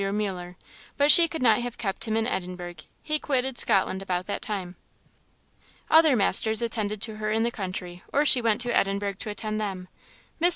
Muller, but she could not have kept him in Edinburgh; he quitted Scotland about that time. Other masters attended her in the country, or she went to Edinburgh to attend them. Mr.